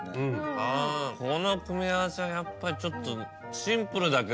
あぁこの組み合わせはやっぱりちょっと。